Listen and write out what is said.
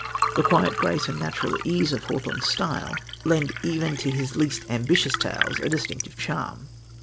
The quiet grace and natural ease of Hawthorne's style lend even to his least ambitious tales a distinctive charm.